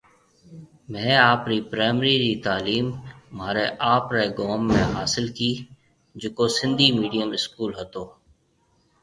مهيَ آپرِي پرائمري ري تالِيم مهاري آپري گوم ۾ هاسل ڪِي جيڪو سنڌي مِڊيِم اسڪول هتو